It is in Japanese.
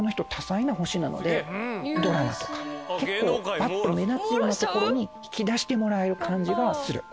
ぱっと目立つようなところに引き出してもらえる感じがする。